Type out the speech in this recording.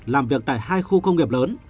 làm việc tại hai khu công nghiệp lớn